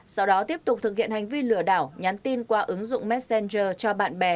sau đó tiếp tục thực hiện hành vi lừa đảo nhắn tin qua ứng dụng messenger cho bạn bè